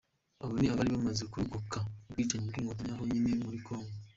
Abo ni abari bamaze kurokoka ubwicanyi bw’inkotanyi aho nyine muri congo.